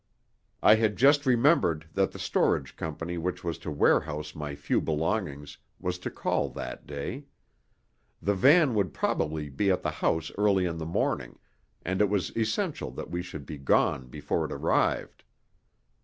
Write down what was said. I had just remembered that the storage company which was to warehouse my few belongings was to call that day. The van would probably be at the house early in the morning, and it was essential that we should be gone before it arrived.